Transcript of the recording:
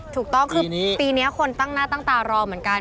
ถูกต้องคือปีนี้คนตั้งหน้าตั้งตารอเหมือนกัน